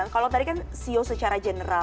kalau tadi kan sio secara general